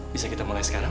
bisa kita mulai sekarang